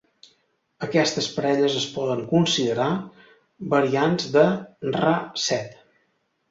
Aquestes parelles es poden considerar variants de Ra-Set.